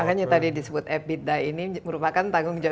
makanya tadi disebut ebitda ini merupakan tanggung jawab